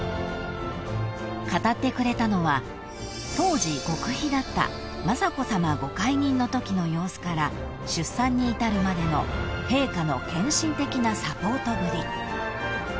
［語ってくれたのは当時極秘だった雅子さまご懐妊のときの様子から出産に至るまでの陛下の献身的なサポートぶり］